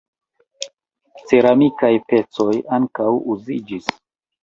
Ceramikaj pecoj ankaŭ uziĝis.